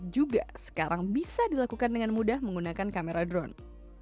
juga sekarang bisa dilakukan dengan mudah menggunakan kamera drone